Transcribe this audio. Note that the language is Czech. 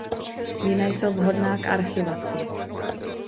Vína jsou vhodná k archivaci.